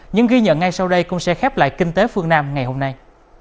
những ghi nhận ngay sau đây cũng sẽ khép lại kinh tế phương nam ngày hôm nay